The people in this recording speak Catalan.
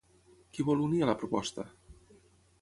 Qui vol unir a la proposta?